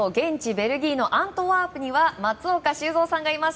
ベルギーのアントワープには松岡修造さんがいます。